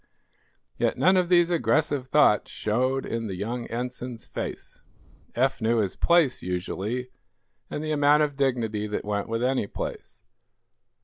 Yet none of these aggressive thoughts showed in the young Ensign's face. Eph knew his place, usually, and the amount of dignity that went with any place.